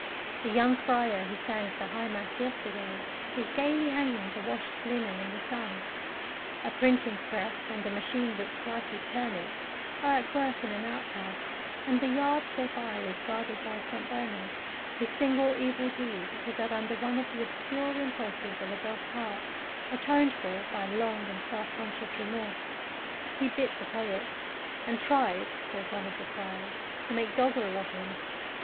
A young friar, who sang the High Mass yesterday, is gaily hanging the washed linen in the sun. A printing press, and a machine which slices turnips, are at work in an outhouse, and the yard thereby is guarded by a St Bernard, whose single evil deed was that under one of the obscure impulses of a dog's heart atoned for by long and self conscious remorse he bit the poet; and tried, says one of the friars, to make doggerel of him.